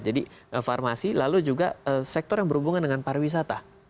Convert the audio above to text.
jadi farmasi lalu juga sektor yang berhubungan dengan pariwisata